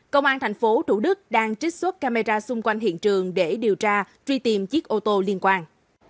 công an tp thủ đức đang trích xuất camera xung quanh hiện trường để điều tra truy tìm chiếc ô tô liên quan